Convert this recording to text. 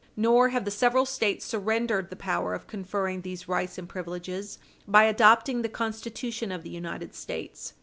Nor have the several States surrendered the power of conferring these rights and privileges by adopting the Constitution of the United States.